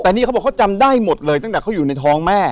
แต่นี่เขาบอกเขาจำได้หมดเลยตั้งแต่เขาอยู่ในท้องแม่